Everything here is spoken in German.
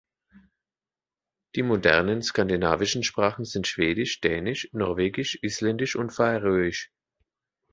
Die modernen skandinavischen Sprachen sind Schwedisch, Dänisch, Norwegisch, Isländisch und Färöisch.